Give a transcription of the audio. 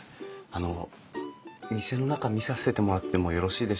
あの店の中見させてもらってもよろしいでしょうか？